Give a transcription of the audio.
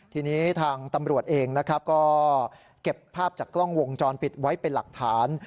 ทีนี้ทางตำรวจเองนะครับก็เก็บภาพจากกล้องวงจรปิดไว้เป็นหลักฐาน